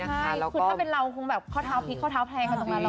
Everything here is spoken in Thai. คือถ้าเป็นเราก็จะเข้าเท้าพิชเข้าเท้าแพ้